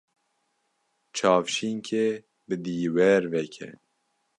Çavşînkê bi dîwêr veke.